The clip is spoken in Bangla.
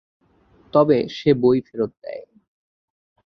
তবে সে বই ফেরত দেয়।